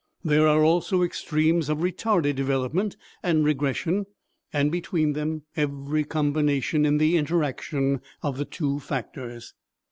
There are also extremes of "retarded development" and "regression," and between them every combination in the interaction of the two factors.